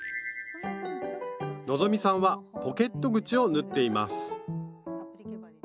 希さんはポケット口を縫っています